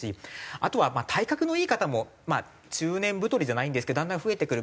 あとは体格のいい方も中年太りじゃないんですけどだんだん増えてくる。